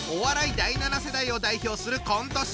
第７世代を代表するコント師。